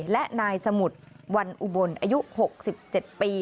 และนายสมุทรวันอุบลอายุ๖๗ปี